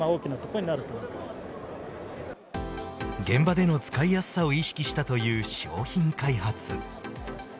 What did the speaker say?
現場での使いやすさを意識したという商品開発。